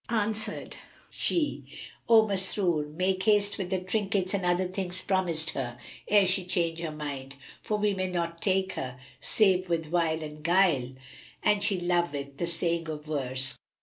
Answered she, "O Masrur, make haste with the trinkets and other things promised her, ere she change her mind, for we may not take her, save with wile and guile, and she loveth the saying of verse."